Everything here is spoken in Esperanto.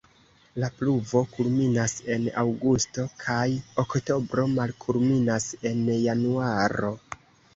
La pluvo kulminas en aŭgusto kaj oktobro, malkulminas en januaro.